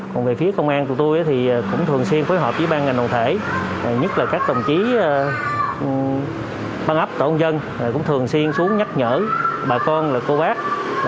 còn về phía công an tụi tôi thì cũng thường xuyên phối hợp với ban ngành đồng thể nhất là các đồng chí phan ấp tổ công dân cũng thường xuyên xuống nhắc nhở bà con là cô bác